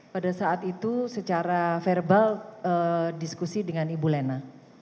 pada saat itu secara verbal diskusi dengan ibu lena